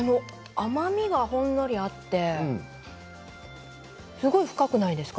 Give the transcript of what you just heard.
甘みがほんのりあってすごく深くないですか？